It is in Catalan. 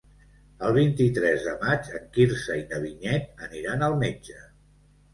El vint-i-tres de maig en Quirze i na Vinyet aniran al metge.